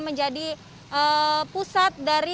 menjadi pusat dari